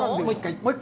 もう一回。